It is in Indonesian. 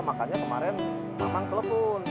makanya kemarin mamang telepon